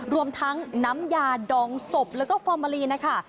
รวมทั้งน้ำยาดองศพแล้วก็ฟอร์มาลีนะคะ